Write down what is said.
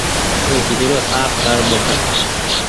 اٺي ڪچرو ساڦ ڪر ٻوکر۔